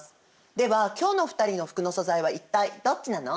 では今日の２人の服の素材は一体どっちなの？